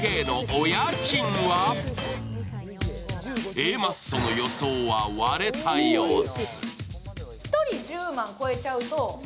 Ａマッソの予想は割れた様子。